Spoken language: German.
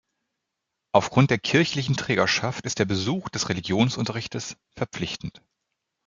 Aufgrund der kirchlichen Trägerschaft ist der Besuch des Religionsunterrichtes verpflichtend.